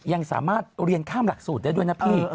ยังสามารถเรียนข้ามหลักสูตรได้ด้วยนะพี่